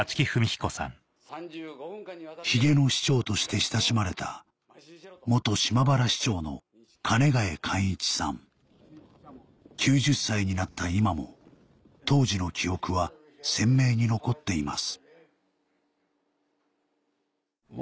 「ヒゲの市長」として親しまれた９０歳になった今も当時の記憶は鮮明に残っています